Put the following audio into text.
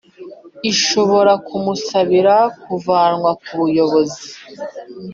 Ishobora kumusabira kuvanwa ku buyobozi